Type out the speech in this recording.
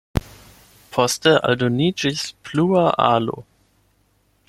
Poste aldoniĝis plua alo.